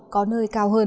có nơi cao hơn